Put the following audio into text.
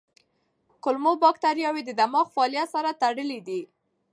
کولمو بکتریاوې د دماغ فعالیت سره تړلي دي.